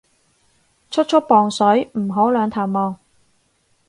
速速磅水唔好兩頭望